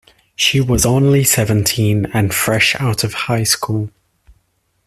She was only seventeen and fresh out of high school.